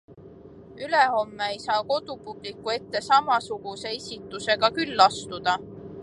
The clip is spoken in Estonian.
Ülehomme ei saa kodupubliku ette samasuguse esitusega küll astuda.